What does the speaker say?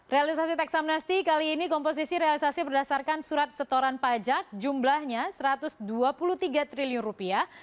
realisasi teks amnesty kali ini komposisi realisasi berdasarkan surat setoran pajak jumlahnya satu ratus dua puluh tiga triliun rupiah